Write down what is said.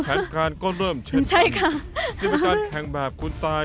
แผนการก็เริ่มเช่นใช่ค่ะจะเป็นการแข่งแบบคุณตาย